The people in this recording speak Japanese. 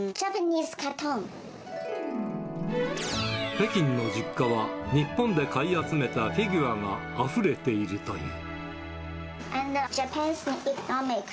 北京の実家は日本で買い集めたフィギュアがあふれているという。